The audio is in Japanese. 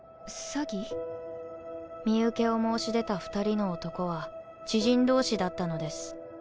身請けを申し出た２人の男は知人同士だったのです。